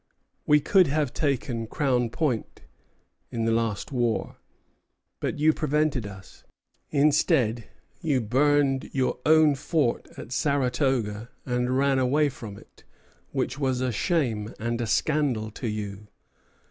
"We would have taken Crown Point [in the last war], but you prevented us. Instead, you burned your own fort at Saratoga and ran away from it, which was a shame and a scandal to you.